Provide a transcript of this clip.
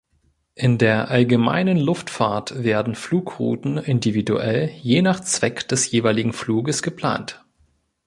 In der Allgemeinen Luftfahrt werden Flugrouten individuell je nach Zweck des jeweiligen Fluges geplant.